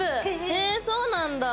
へぇそうなんだ！